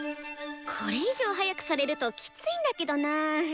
これ以上速くされるときついんだけどな。